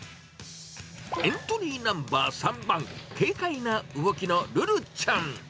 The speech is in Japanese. エントリーナンバー３番、軽快な動きのルルちゃん。